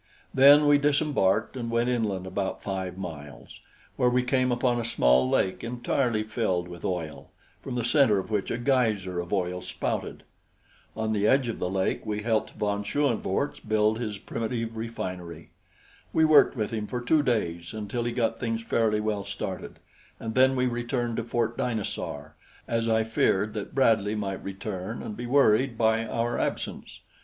Then we disembarked and went inland about five miles, where we came upon a small lake entirely filled with oil, from the center of which a geyser of oil spouted. On the edge of the lake we helped von Schoenvorts build his primitive refinery. We worked with him for two days until he got things fairly well started, and then we returned to Fort Dinosaur, as I feared that Bradley might return and be worried by our absence.